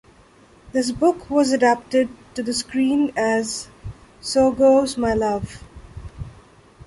This book was adapted to the screen as "So Goes My Love".